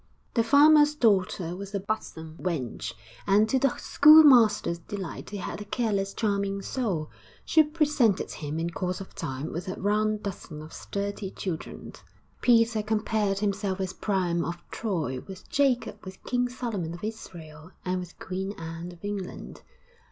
The farmer's daughter was a buxom wench, and, to the schoolmaster's delight he had a careless, charming soul she presented him in course of time with a round dozen of sturdy children. Peter compared himself with Priam of Troy, with Jacob, with King Solomon of Israel and with Queen Anne of England.